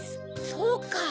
そうか！